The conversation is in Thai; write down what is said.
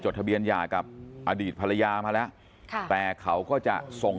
เขาเคยให้โอกาสอย่าให้หนูผิดหวัง